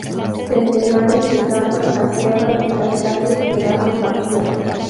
Centenares de casas saqueadas y las calles quedaron vacías.